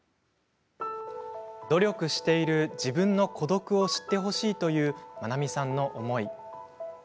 努力している自分の孤独を知ってほしいというまなみさんの思い。